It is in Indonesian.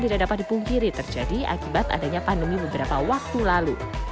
tidak dapat dipungkiri terjadi akibat adanya pandemi beberapa waktu lalu